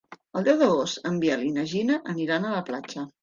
El deu d'agost en Biel i na Gina aniran a la platja.